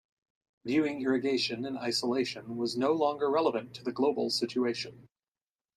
Viewing irrigation in isolation was no longer relevant to the global situation.